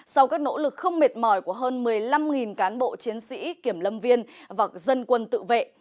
sau các nỗ lực không mệt mỏi của hơn một mươi năm cán bộ chiến sĩ kiểm lâm viên và dân quân tự vệ